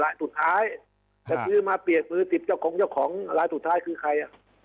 รายสุดท้ายมาเปียกมือติดเจ้าของรายสุดท้ายคือใคร